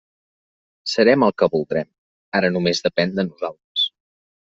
Serem el que voldrem, ara només depèn de nosaltres.